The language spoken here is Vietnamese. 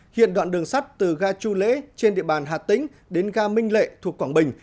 hiện đoạn đường sắt từ ga chu lễ trên địa bàn hà tĩnh đến ga minh lệ thuộc quảng bình